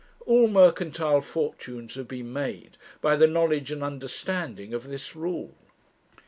All mercantile fortunes have been made by the knowledge and understanding of this rule.